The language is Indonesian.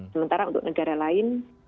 sementara untuk negara lain